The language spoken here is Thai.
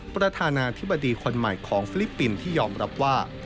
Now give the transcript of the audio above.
ประธานาธิบดีคนใหม่ของฟิลิปปินส์ที่ยอมรับว่า